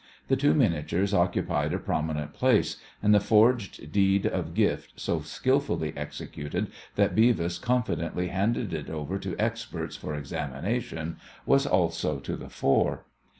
The two miniatures occupied a prominent place, and the forged deed of gift, so skilfully executed that Beavis confidently handed it over to experts for examination, was also to the fore.